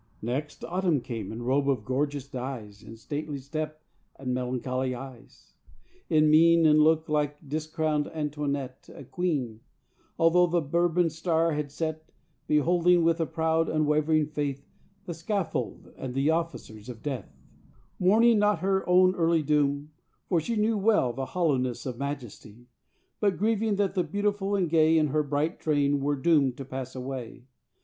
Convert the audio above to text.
Next Autumn came in robe of gorgeous dyes And stately step and melancholy eyes In mien and look like discrowned Antoinette A queen although the Bourbon star had set Beholding with a proud, unwavering faith The scaffold and the officers of death, Mourning not her own early doom, for she Knew well the hollowness of majesty But grieving that the beautiful and gay In her bright train were doomed to pass away.